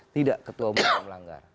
tidak ketua umumnya melanggar